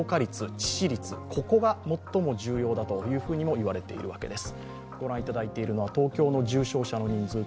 致死率ここが最も重要だと言われているわけです。